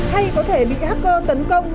hay có thể bị hacker tấn công